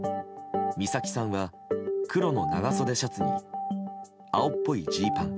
美咲さんは黒の長袖シャツに青っぽいジーパン。